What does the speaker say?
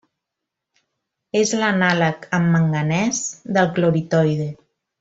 És l'anàleg amb manganès del cloritoide.